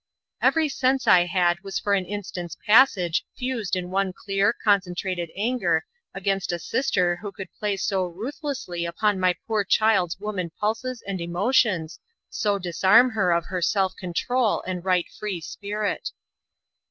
Every sense I had was for an instant's passage fused in one clear, concentrated anger against a sister who could play so ruthlessly upon my poor child's woman pulses and emotions, so disarm her of her self control and right free spirit.